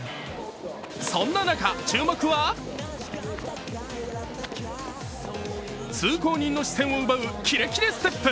そんな中、注目は通行人の視線を奪うキレキレステップ。